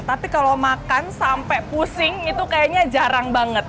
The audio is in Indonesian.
tapi kalau makan sampai pusing itu kayaknya jarang banget